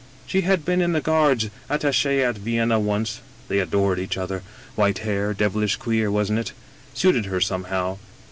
— ^he had been in the Guards — ^attache at Vienna once — ^they adored each other. White hair, devilish queer^ wasn't it? Suited her, somehow.